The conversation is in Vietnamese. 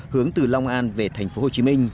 hướng từ long an về thành phố hồ chí minh